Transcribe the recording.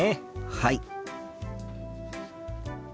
はい。